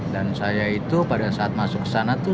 dan saya itu pada saat masuk ke sana itu